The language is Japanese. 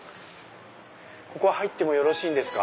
ここは入ってもよろしいですか？